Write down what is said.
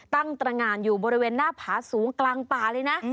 ตรงานอยู่บริเวณหน้าผาสูงกลางป่าเลยนะ